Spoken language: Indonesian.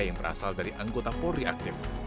yang berasal dari anggota polriaktif